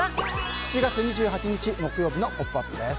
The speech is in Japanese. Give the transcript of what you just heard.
７月２８日、木曜日の「ポップＵＰ！」です。